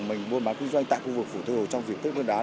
mình mua bán kinh doanh tại khu vực phủ tây hồ trong việc tết nguyên đán